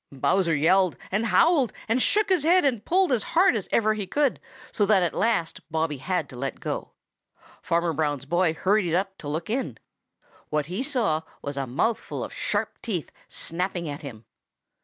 Bowser yelled and howled and shook his head and pulled as hard as ever he could, so that at last Bobby had to let go. Farmer Brown's boy hurried up to look in. What he saw was a mouthful of sharp teeth snapping at him.